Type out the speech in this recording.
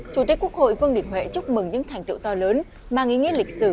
chủ tịch quốc hội vương đình huệ chúc mừng những thành tựu to lớn mang ý nghĩa lịch sử